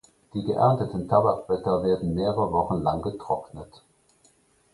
Die geernteten Tabakblätter werden mehrere Wochen lang getrocknet.